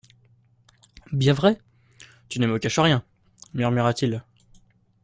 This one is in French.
Bien vrai ? tu ne me caches rien ? murmura-t-il.